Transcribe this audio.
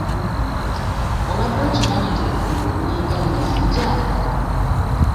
Obadde okimanyi nti obufumbo bulinga nnyanja?